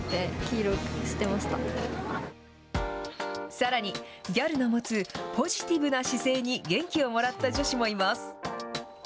さらにギャルの持つポジティブな姿勢に元気をもらった女子もいます。